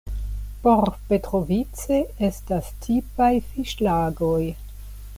Por Petrovice estas tipaj fiŝlagoj.